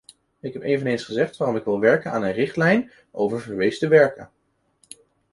Ik heb eveneens gezegd waarom ik wil werken aan een richtlijn over verweesde werken.